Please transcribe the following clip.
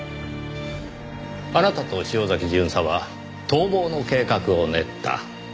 あなたと潮崎巡査は逃亡の計画を練った。